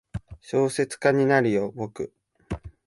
小説家になるよ。